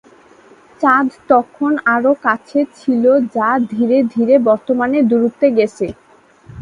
চাঁদ তখন আরো কাছে ছিল যা ধীরে ধীরে বর্তমানে দূরত্বে গেছে।